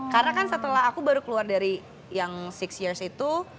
karena kan setelah aku baru keluar dari yang six years itu